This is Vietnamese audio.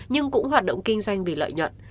nhưng cũng hoạt động kinh doanh vì lợi nhận